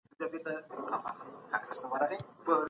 هر اړخ به له هغه بل اړخ سره متصل او موښتی وي